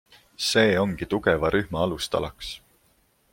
See ongi tugeva rühma alustalaks.